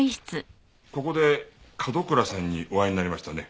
ここで角倉さんにお会いになりましたね？